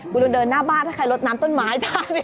คุณลองเดินหน้าบ้านถ้าใครลดน้ำต้นไม้